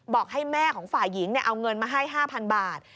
บอกให้แม่ของฝ่ายหญิงเอาเงินมาให้๕๐๐บาท